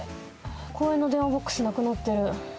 公園の電話ボックスなくなってる。